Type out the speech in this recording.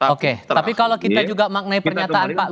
oke tapi kalau kita juga maknai pernyataan pak